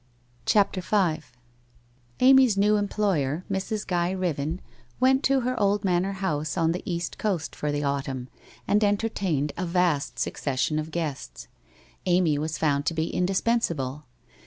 CHAPTER V Amy's new employer, Mrs. Guy Riven, went to her old manor house on the East Coast for the autumn, and en tertained a vast succession of guests. Amy was found to be indispensable.